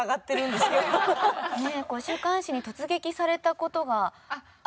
週刊誌に突撃された事がある？